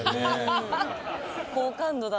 好感度だ